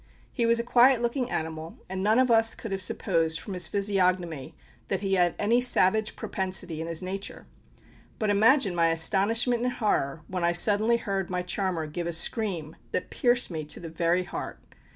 He was a quiet looking animal, and none of us could have supposed from his physiognomy that he had any savage propensity in his nature. But imagine my astonishment and horror when I suddenly heard my charmer give a scream that pierced me to the very heart!